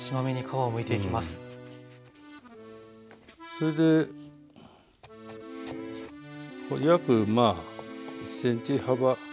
それで約１ｃｍ幅。